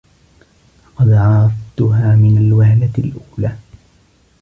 لقد عرفتها من الوهلة الأولى.